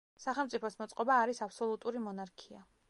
სახელმწიფოს მოწყობა არის აბსოლუტური მონარქია.